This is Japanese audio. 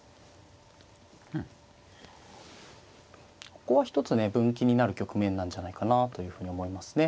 ここは一つね分岐になる局面なんじゃないかなというふうに思いますね。